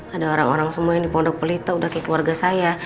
ada orang orang semua yang dipondok pelita udah kayak keluarga saya